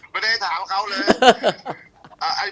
ไม่ได้ถามเขาเลย